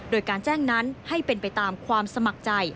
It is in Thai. โดยการแจ้งนั้นให้เป็นไปตามความสมัครใจ